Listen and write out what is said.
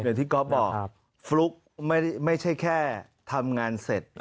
เจ้าข้าวแล้วก็บอกว่าฟลุ๊กไม่ใช่แค่ทำงานเสร็จ